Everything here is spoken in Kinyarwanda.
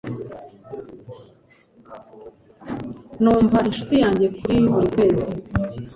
Numva inshuti yanjye buri kwezi